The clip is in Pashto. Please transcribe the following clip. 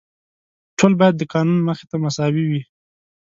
ټول باید د قانون مخې ته مساوي وي.